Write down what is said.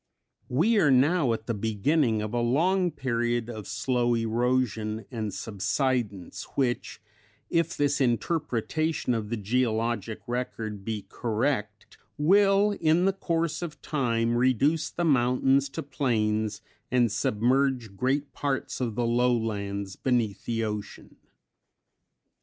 We are now at the beginning of a long period of slow erosion and subsidence which, if this interpretation of the geologic record be correct, will in the course of time reduce the mountains to plains and submerge great parts of the lowlands beneath the ocean.